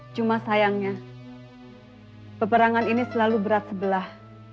cuma sayangnya peperangan ini selalu berat sebelah